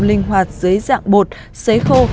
linh hoạt dưới dạng bột xế khô